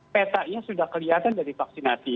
petanya sudah kelihatan dari vaksinasi